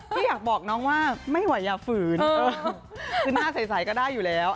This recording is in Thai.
พี่อยากบอกน้องว่าไม่ไหวอย่าฝืนคือหน้าใสก็ได้อยู่แล้ว